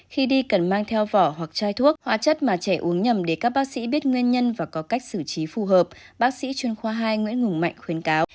khi đi cần mang theo vỏ hoặc chai thuốc hóa chất mà trẻ uống nhầm để các bác sĩ biết nguyên nhân và có cách xử trí phù hợp bác sĩ chuyên khoa hai nguyễn hùng mạnh khuyến cáo